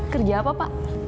kerja apa pak